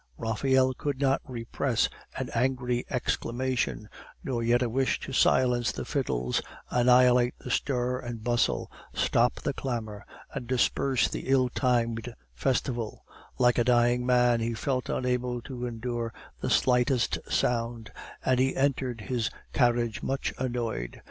Raphael could not repress an angry exclamation, nor yet a wish to silence the fiddles, annihilate the stir and bustle, stop the clamor, and disperse the ill timed festival; like a dying man, he felt unable to endure the slightest sound, and he entered his carriage much annoyed.